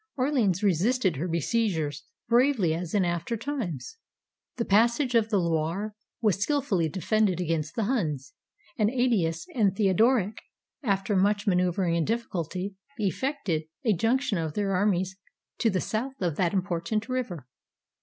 Orleans resisted her besiegers bravely as in after times. The passage of the Loire was skillfully defended against the Huns; and Aetius and Theodoric, after much maneu vering and difficulty, effected a junction of their armies to the south of that important river.